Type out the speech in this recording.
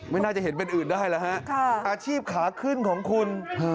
ไม่น่าจะเห็นเป็นอื่นได้แล้วฮะอาชีพขาขึ้นของคุณ